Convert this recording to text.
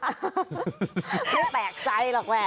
ไม่แปลกใจหรอกว่า